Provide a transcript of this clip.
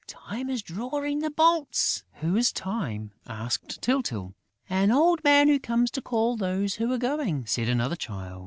Time is drawing the bolts...." "Who is Time?" asked Tyltyl. "An old man who comes to call those who are going," said another Child.